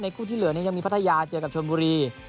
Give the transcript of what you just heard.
คู่ที่เหลือยังมีพัทยาเจอกับชนบุรี